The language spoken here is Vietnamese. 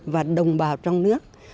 và đồng bào trong nước